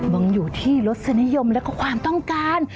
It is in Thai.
ยังอยู่ที่รสนิยมและความต้องการ